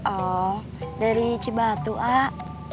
oh dari cibatu ah